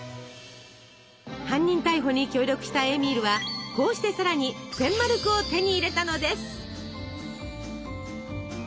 犯人逮捕に協力したエーミールはこうしてさらに１，０００マルクを手に入れたのです。